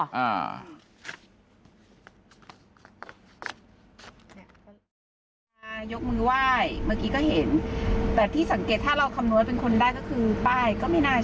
สพเจมส์อยากมองใจฟ้ายกมือว่ายเมื่อกี้ก็เห็นแต่ที่สังเกตถ้าเราธรรมนั้นเป็นคนจะได้ก็คือป้ายก็ไม่น่าใช่